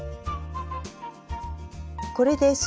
これです